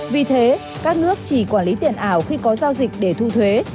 vì thế các nước chỉ quản lý tiền ảo khi có giao dịch để thu thuế